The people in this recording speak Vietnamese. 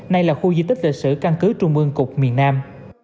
nay là khu di tích lịch sử căn cứ trung ương cục miền nam